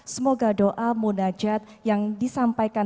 semoga doa munajat yang disampaikan